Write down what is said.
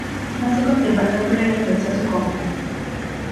No se conservan datos relativos a su compra.